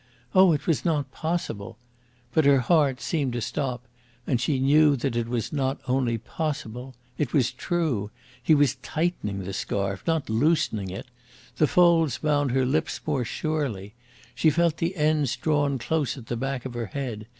Oh, it was not possible! But her heart seemed to stop, and she knew that it was not only possible it was true: he was tightening the scarf, not loosening it. The folds bound her lips more surely. She felt the ends drawn close at the back of her head.